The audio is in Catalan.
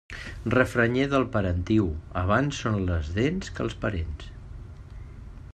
Refranyer del parentiu Abans són les dents que els parents.